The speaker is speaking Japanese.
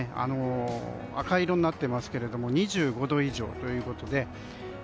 赤色になっていますが２５度以上ということで。